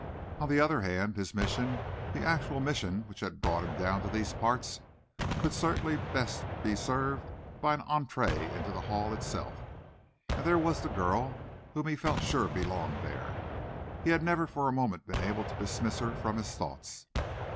On the other hand, his mission, the actual mission which had brought him down to these parts, could certainly best be served by an entree into the Hall itself and there was the girl, whom he felt sure belonged there. He had never for a moment been able to dismiss her from his thoughts.